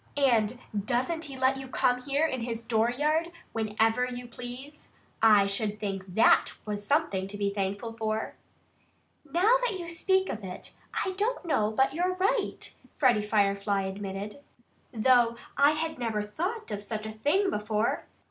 And doesn't he let you come here in his dooryard whenever you please? I should think THAT was something to be thankful for!" "Now that you speak of it, I don't know but that you're right," Freddie Firefly admitted, "though I never thought of such a thing before."